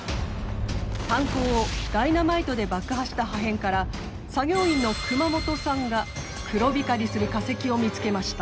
炭坑をダイナマイトで爆破した破片から作業員の熊本さんが黒光りする化石を見つけました。